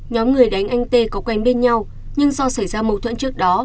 nhóm người đánh anh tê có quen bên nhau nhưng do xảy ra mâu thuẫn trước đó